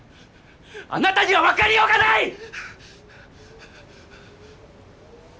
あなたには分かりようがない！